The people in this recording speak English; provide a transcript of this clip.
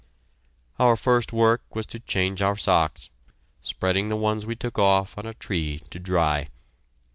Our first work was to change our socks, spreading the ones we took off on a tree to dry.